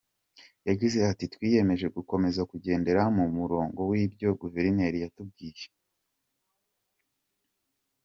Yagize ati “Twiyemeje gukomeza kugendera mu murongo w’ibyo Guverineri yatubwiye.